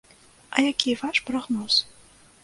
А які ваш прагноз?